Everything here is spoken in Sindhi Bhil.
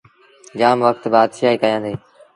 جآم وکت بآتشآهيٚ ڪيآݩدي۔۔